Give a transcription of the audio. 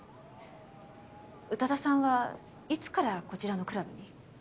宇多田さんはいつからこちらのクラブに？